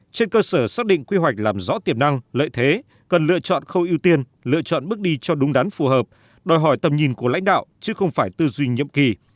trên cơ sở xác định quy hoạch làm rõ tiềm năng lợi thế cần lựa chọn khâu ưu tiên lựa chọn bước đi cho đúng đắn phù hợp đòi hỏi tầm nhìn của lãnh đạo chứ không phải tư duy nhiệm kỳ